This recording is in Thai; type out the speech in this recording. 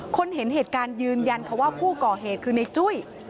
เห็นเหตุการณ์ยืนยันค่ะว่าผู้ก่อเหตุคือในจุ้ย